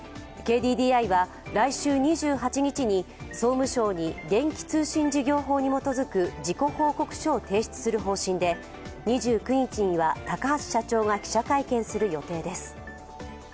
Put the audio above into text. ＫＤＤＩは来週２８日に総務省に電気通信事業法に基づく事故報告書を提出する方針で２９日には高橋社長が記者会見する予定です。